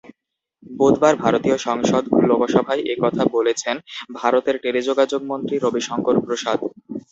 বুধবার ভারতীয় সংসদ লোকসভায় এ কথা বলেছেন ভারতের টেলিযোগাযোগমন্ত্রী রবিশংকর প্রসাদ।